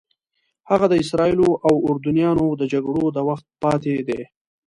هغه د اسرائیلو او اردنیانو د جګړو د وخت پاتې دي.